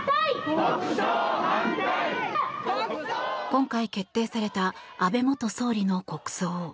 今回決定された安倍元総理の国葬。